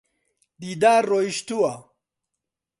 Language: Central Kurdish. دیدار ڕۆیشتووە.